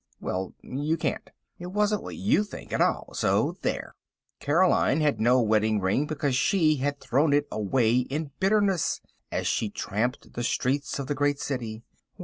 Well, you can't. It wasn't what you think at all; so there. Caroline had no wedding ring because she had thrown it away in bitterness, as she tramped the streets of the great city.